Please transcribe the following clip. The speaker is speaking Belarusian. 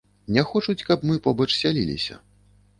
Не хочуць, каб мы побач сяліліся.